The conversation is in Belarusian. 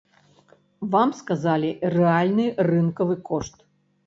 Вам сказалі рэальны рынкавы кошт.